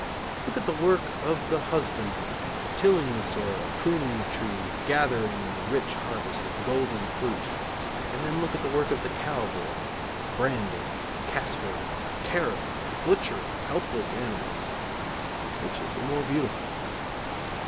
Look at the work of the husbandman, tilling the soil, pruning the trees, gathering in the rich harvest of golden fruit, and then look at the work of the cowboy, branding, castrating, terrifying, butchering helpless animals; which is the more beautiful?